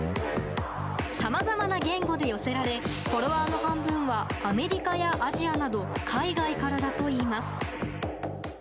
さまざまな言語で寄せられ、フォロワーの半分はアメリカやアジアなど海外からだといいます。